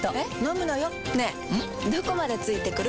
どこまで付いてくる？